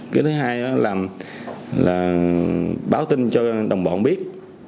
cái thứ hai là báo tin cho đồng bọn biết